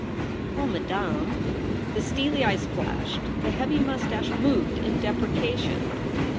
' Oh, madame !' The steely eyes flashed ; the heavy mous tache moved in deprecation.